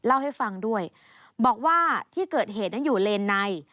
เล่าให้ฟังด้วยบอกว่าที่เกิดเหตุนั้นอยู่เลนใน